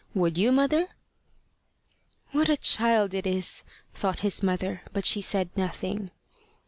Would you, mother?" "What a child it is!" thought his mother, but she said nothing.